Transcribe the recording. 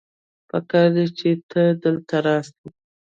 پکار دی چې ته دلته راسې